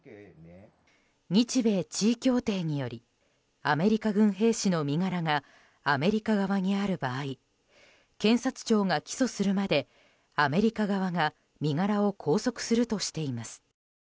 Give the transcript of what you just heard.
日米地位協定によりアメリカ軍兵士の身柄がアメリカ側にある場合検察庁が起訴するまでアメリカ側が身柄を拘束するとしています。